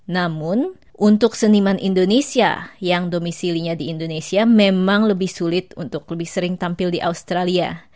namun untuk seniman indonesia yang domisilinya di indonesia memang lebih sulit untuk lebih sering tampil di australia